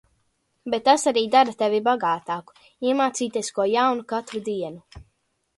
Bet tas arī dara tevi bagātāku-iemācīties ko jaunu katru dienu.